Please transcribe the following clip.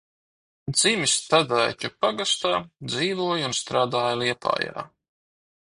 Dzimis Tadaiķu pagastā, dzīvoja un strādāja Liepājā.